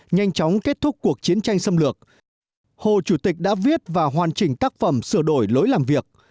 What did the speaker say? nhanh chóng kết thúc cuộc chiến tranh xâm lược hồ chủ tịch đã viết và hoàn chỉnh tác phẩm sửa đổi lối làm việc